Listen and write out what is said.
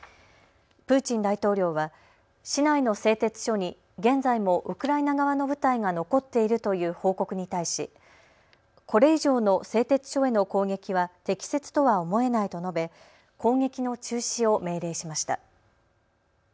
プーチン大統領は市内の製鉄所に現在もウクライナ側の部隊が残っているという報告に対しこれ以上の製鉄所への攻撃は適切とは思えないと述べ攻撃の中止を命令しました。